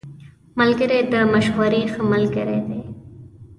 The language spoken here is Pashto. ملګری د مشورې ښه ملګری دی